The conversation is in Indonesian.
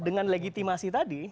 dengan legitimasi tadi